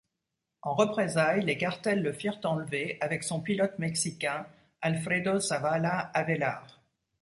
En représailles, les cartels le firent enlever, avec son pilote mexicain Alfredo Zavala Avelar.